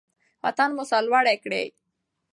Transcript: وطن مو سرلوړی کړئ.